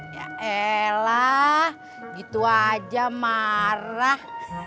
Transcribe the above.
ya elah gitu aja marah